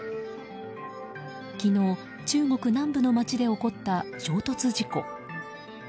昨日、中国南部で起こった衝突事故。